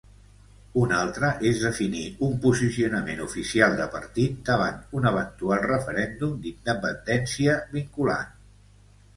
Un altre és definir un posicionament oficial de partit davant un eventual referèndum d'independència vinculant.